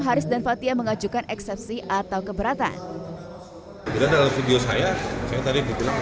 haris dan fathia mengajukan eksepsi atau keberatan dalam video saya saya tadi bilang